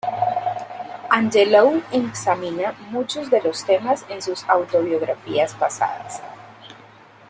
Angelou examina muchos de los temas en sus autobiografías pasadas.